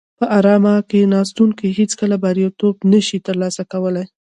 په ارامه کیناستونکي هیڅکله بریالیتوب نشي ترلاسه کولای.